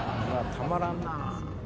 たまらんなぁ。